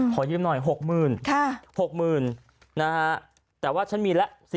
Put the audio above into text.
พอยืมหน่อย๖๐๐๐๐ครับ๖๐๐๐๐นะฮะแต่ว่าฉันมีละ๔๐๐๐๐